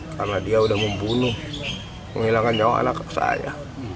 karena dia udah membunuh menghilangkan nyawa anak saya